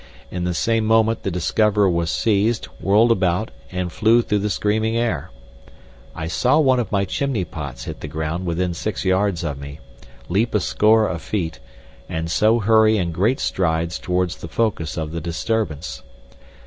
In the same moment the discoverer was seized, whirled about, and flew through the screaming air. I saw one of my chimney pots hit the ground within six yards of me, leap a score of feet, and so hurry in great strides towards the focus of the disturbance.